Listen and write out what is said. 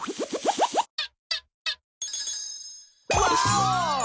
ワーオ！